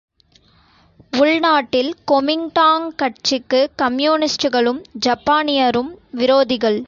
உள்நாட்டில் கொமிங்டாங் கட்சிக்கு கம்யூனிஸ்டுகளும் ஜப்பானியரும் விரோதிகள்.